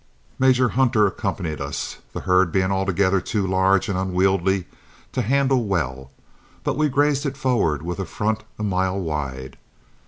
Major Hunter accompanied us, the herd being altogether too large and unwieldy to handle well, but we grazed it forward with a front a mile wide.